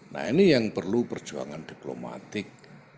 nah ini yang perlu perjuangan diplomatik